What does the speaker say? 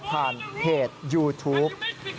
ผ่านเพจยูทูป